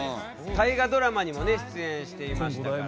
「大河ドラマ」にもね出演していましたから。